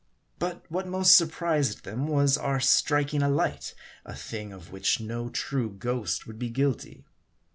But what most surprised them, was our striking a light, a thing of which no true ghost would be guilty.